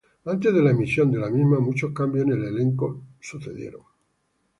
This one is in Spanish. Antes de la emisión de la misma, muchos cambios en el elenco ocurrieron.